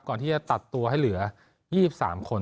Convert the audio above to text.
ก่อนที่จะตัดตัวให้เหลือ๒๓คน